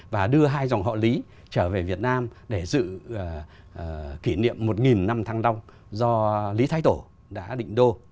và đưa hai dòng họ lý trở về việt nam để dự kỷ niệm một năm thăng long do lý thái tổ đã định đô